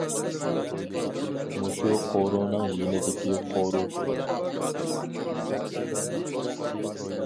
مۇشۇ قورۇنىڭ يېنىدىكى قورۇ شۇ.